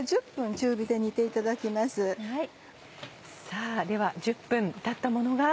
さぁでは１０分たったものが。